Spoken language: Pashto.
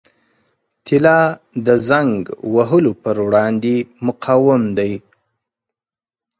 طلا د زنګ وهلو پر وړاندې مقاوم دی.